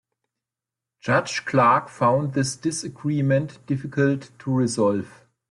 Judge Clark found this disagreement difficult to resolve.